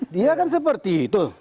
dia kan seperti itu